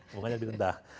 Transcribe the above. bunganya lebih rendah